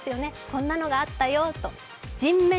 こんなのがあったよと人面